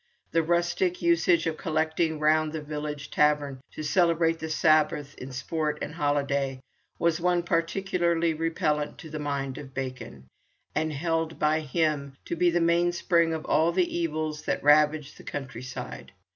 The rustic usage of collecting round the village tavern to celebrate the Sabbath in sport and holiday was one particularly repellant to the mind of Becon, and held by him to be the mainspring of all the evils that ravaged the country side.